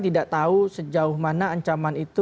tidak tahu sejauh mana ancaman itu